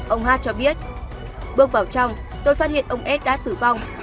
ông hát cho biết bước vào trong tôi phát hiện ông s đã tử vong